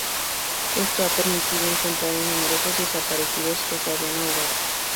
Esto ha permitido encontrar en numerosos desaparecidos que se habían ahogado.